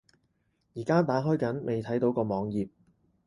而家打開緊，未睇到個網頁￼